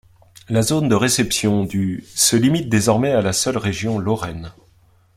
La zone de réception du se limite désormais à la seule région Lorraine.